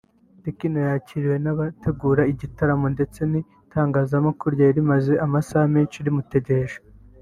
Tekno yakiriwe n’abateguye igitaramo ndetse n’itangazamakuru ryari rihamaze amasaha menshi rimutegereje